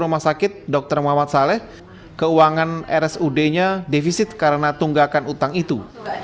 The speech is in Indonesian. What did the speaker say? rumah sakit dr muhammad saleh keuangan rsud nya defisit karena tunggakan utang itu